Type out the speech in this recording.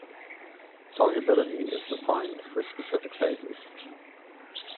Solubility is defined for specific phases.